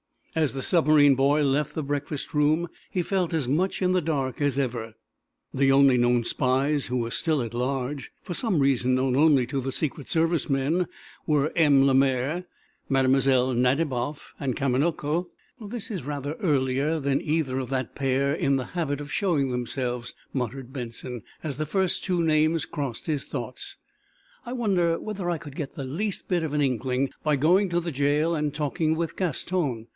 As the submarine boy left the breakfast room he felt as much in the dark as ever. The only known spies who were still at large, for some reason known only to the Secret Service men, were M. Lemaire, Mlle. Nadiboff and Kamanako. "This is rather earlier than either of that pair in the habit of showing themselves," muttered Benson, as the first two names crossed his thoughts. "I wonder whether I could get the least bit of an inkling by going to the jail and talking with Gaston?